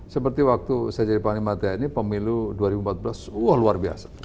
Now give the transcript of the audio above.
seperti waktu saya jadi panglima tni pemilu dua ribu empat belas wah luar biasa